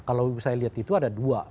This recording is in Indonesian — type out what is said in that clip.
kalau saya lihat itu ada dua